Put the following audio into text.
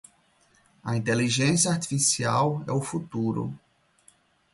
A inteligência artificial é o futuro